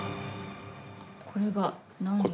これが何円？